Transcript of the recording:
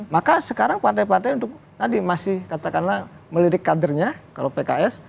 maka sekarang partai partai untuk tadi masih katakanlah melirik kadernya kalau pks